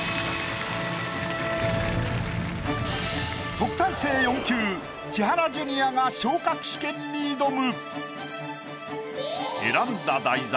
特待生４級千原ジュニアが昇格試験に挑む。